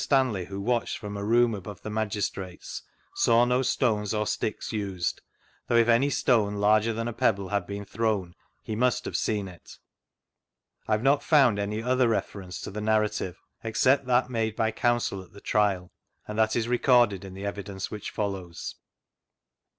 Stanley, who watched from a room above the magistrates, saw no stones or sticks used, though if any stone larger than a pebble had been thrown, he must have seen it." I have not found any other reference to the narrative except that made by Counsel at the Trial, and that is recorded in the Evidence which fcdlows.